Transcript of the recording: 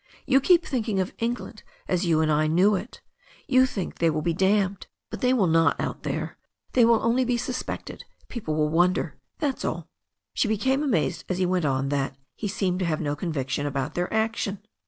You keep thinking of England as you and I knew it You think they will be damned, but they will not out here. They will only be suspected — ^people will wonder, that's all." She became amazed as he went on that he seemed to have no convictions about their action.